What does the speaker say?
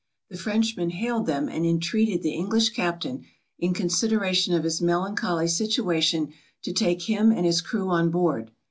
The Frenchman hailed them, and intreated the English captain, in consideration of his melancholy situation, to take him and his crew on board.